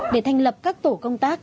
để thành lập các tổ công tác